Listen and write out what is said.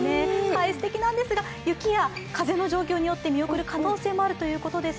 すてきなんですが雪や風の状況によって見送る可能性もあるそうです。